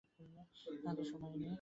হাতে সময় নেই।